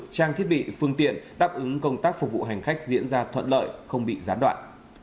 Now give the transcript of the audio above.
trang thiết bị phương tiện đáp ứng công tác phục vụ hành khách diễn ra thuận lợi không bị gián đoạn